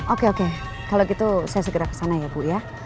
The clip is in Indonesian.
oke oke kalau gitu saya segera kesana ya bu ya